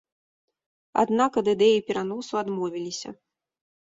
Аднак ад ідэі пераносу адмовіліся.